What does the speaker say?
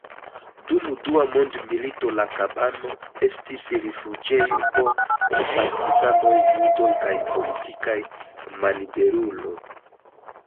Dum Dua mondmilito la kabano estis rifuĝejo por partizanoj, judoj kaj politikaj malliberuloj.